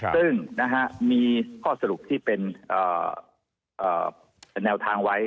ซึ่งมีข้อสรุปที่เป็นแนวทางไว้